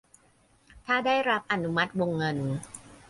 ถ้าได้รับอนุมัติวงเงิน